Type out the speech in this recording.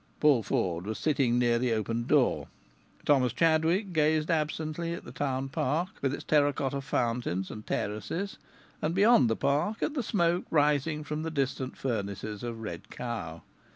Paul Ford was sitting near the open door. Thomas Chadwick gazed absently at the Town Park, with its terra cotta fountains and terraces, and beyond the Park, at the smoke rising from the distant furnaces of Red Cow.